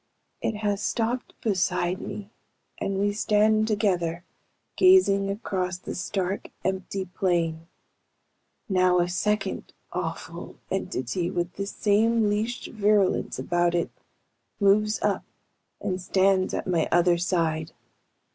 "It has stopped beside me and we stand together, gazing across the stark, empty plain. Now a second awful entity, with the same leashed virulence about it, moves up and stands at my other side.